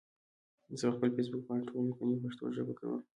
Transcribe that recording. زه پخپل فيسبوک پاڼې ټولي ليکني په پښتو ژبه کوم